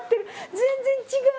全然違う。